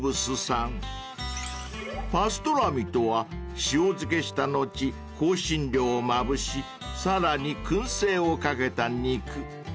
［パストラミとは塩漬けした後香辛料をまぶしさらに薫製をかけた肉］